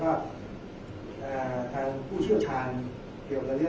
แต่ว่าไม่มีปรากฏว่าถ้าเกิดคนให้ยาที่๓๑